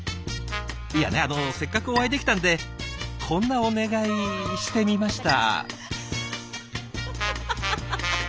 いやねあのせっかくお会いできたんでこんなお願いしてみました。